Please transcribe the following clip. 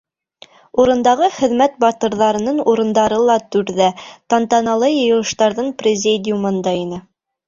Урындағы хеҙмәт батырҙарының урындары ла түрҙә, тантаналы йыйылыштарҙың президиумында ине.